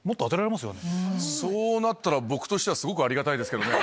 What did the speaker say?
そうなったら僕としてはすごくありがたいですけどね。